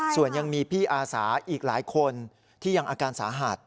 ส่วนยังมีพี่อาสาอีกหลายคนที่ยังอาการสาหัส